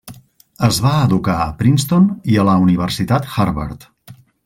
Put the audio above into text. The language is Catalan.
Es va educar a Princeton i a la Universitat Harvard.